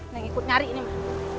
neneng ikut nyari ini mah